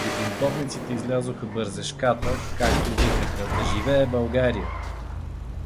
— И бунтовниците излязоха бързешката, като викаха „Да живее България!